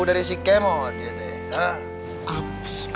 dari si kemon ya teh